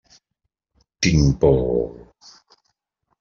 Tinc por.